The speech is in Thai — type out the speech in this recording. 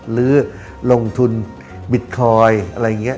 หรือลงทุนบิตคอยน์อะไรอย่างนี้